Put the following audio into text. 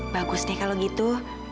bagus deh kalau gitu